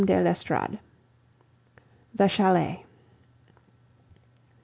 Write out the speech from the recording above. DE L'ESTORADE The Chalet.